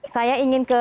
saya ingin ke